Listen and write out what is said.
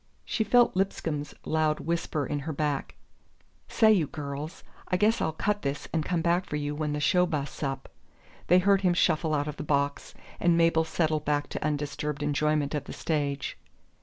She felt Lipscomb's loud whisper in her back: "Say, you girls, I guess I'll cut this and come back for you when the show busts up." They heard him shuffle out of the box, and Mabel settled back to undisturbed enjoyment of the stage.